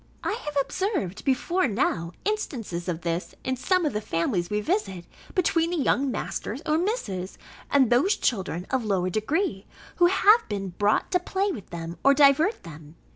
I have observed, before now, instances of this, in some of the families we visit, between the young Masters or Misses, and those children of lower degree, who have been brought to play with them, or divert them.